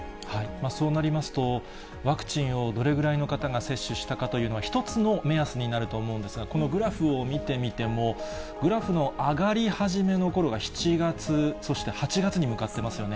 そうなりますと、ワクチンをどれぐらいの方が接種したかというのは、一つの目安になると思うんですが、このグラフを見てみても、グラフの上がり始めのころが７月、そして８月に向かってますよね。